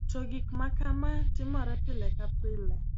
to gik makama timore pile ka pile